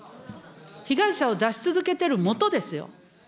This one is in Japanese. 被害者を出し続けているもとですよ。